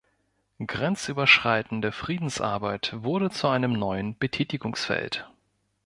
Grenzüberschreitende Friedensarbeit wurde zu einem neuen Betätigungsfeld.